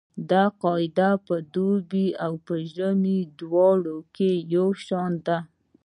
دا قاعده په دوبي او ژمي دواړو کې یو شان ده